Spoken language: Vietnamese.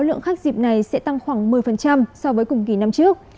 lượng khách dịp này sẽ tăng khoảng một mươi so với cùng kỳ năm trước